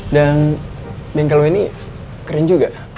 dan bengkel lo ini keren juga